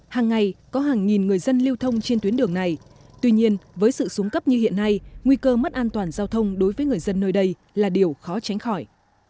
hàng ngày có hàng nghìn người dân lưu thông trên tuyến đường này tuy nhiên với sự xuống cấp như hiện nay nguy cơ mất an toàn giao thông đối với người dân nơi đây là điều khó tránh khỏi